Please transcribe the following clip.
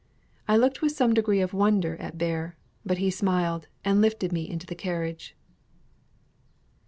I looked with some degree of wonder at Bear; but he smiled, and lifted me into the carriage.